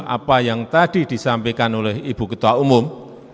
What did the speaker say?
apa yang tadi disampaikan oleh ibu ketua umum